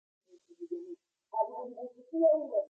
One cultivar commonly grown in the United States is 'Siam Queen'.